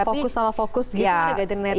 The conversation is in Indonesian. salah fokus salah fokus gitu kan ada di netizen